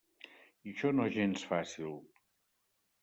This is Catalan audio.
I això no és gens fàcil.